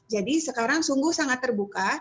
jadi sekarang sungguh sangat terbuka